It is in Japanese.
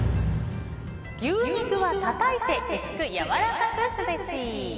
牛肉はたたいて薄くやわらかくすべし。